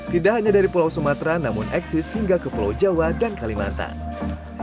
tidak hanya dari pulau sumatera namun eksis hingga ke pulau jawa dan kalimantan